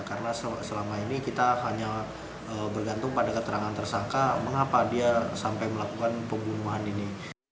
karena selama ini kita hanya bergantung pada keterangan tersangka mengapa dia sampai melakukan pembunuhan ini